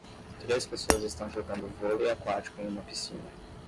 Três pessoas estão jogando vôlei aquático em uma piscina